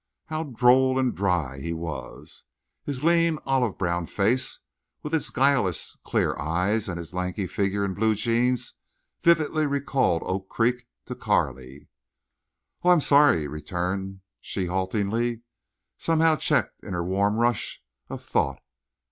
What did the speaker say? How droll and dry he was! His lean, olive brown face, with its guileless clear eyes and his lanky figure in blue jeans vividly recalled Oak Creek to Carley. "Oh, I'm sorry," returned she haltingly, somehow checked in her warm rush of thought.